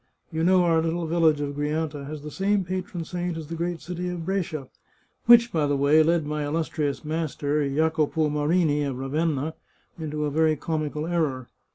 You know our little village of Grianta has the same patron saint as the great city of Brescia, which, by the way, led my illustrious master, Jacopo Marini, of Ravenna, into a very comical error.